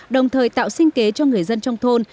đồng thời tạo sinh kế cho người dân trong thôn